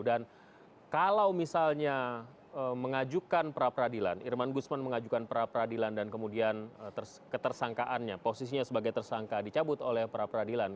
dan kalau misalnya mengajukan pra peradilan irman guzman mengajukan pra peradilan dan kemudian ketersangkaannya posisinya sebagai tersangka dicabut oleh pra peradilan